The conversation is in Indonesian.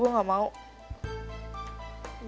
gue gak mau sama lo bel